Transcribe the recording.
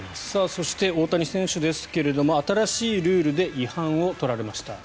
そして、大谷選手ですが新しいルールで違反を取られました。